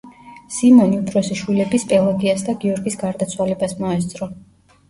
სიმონი უფროსი შვილების პელაგიას და გიორგის გარდაცვალებას მოესწრო.